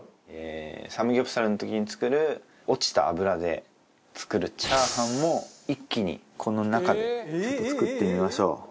サムギョプサルの時に作る落ちた脂で作るチャーハンも一気にこの中で作ってみましょう。